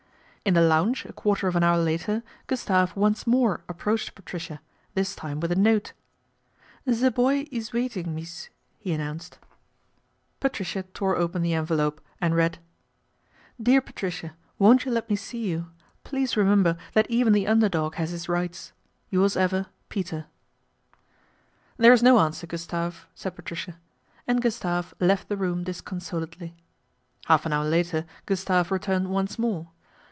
In the lounge a quarter of an hour later, Gustave once more approached Patricia, this time with a note. " The boy ees waiting, mees," he announced. Patricia tore open the envelope and read :" DEAR PATRICIA, " Won't you let me see you ? Please remem ber that even the under dog has his rights. " Yours ever, " PETER." MADNESS OF LORD PETER BOWEN 51 ' There is no answer, Gustave," said Patricia, and Gustave left the room disconsolately. Half an hour later Gustave returned once more.